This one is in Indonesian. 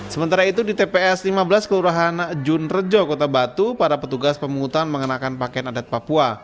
sementara itu di tps lima belas kelurahan jun rejo kota batu para petugas pemungutan mengenakan pakaian adat papua